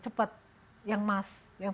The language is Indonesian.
cepat yang mas yang